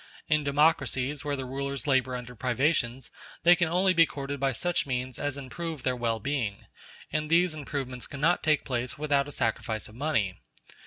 In democracies, where the rulers labor under privations, they can only be courted by such means as improve their well being, and these improvements cannot take place without a sacrifice of money.